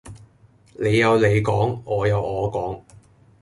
你有你講，我有我講